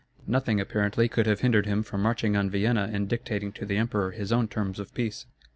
Nothing apparently could have hindered him from marching on Vienna and dictating to the emperor his own terms of peace.